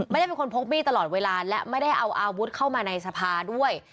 ไม่ได้เป็นคนพกมีดตลอดเวลาและไม่ได้เอาอาวุธเข้ามาในสภาด้วย